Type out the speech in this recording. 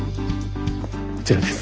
こちらです。